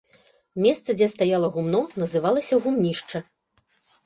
Месца, дзе стаяла гумно, называлася гумнішча.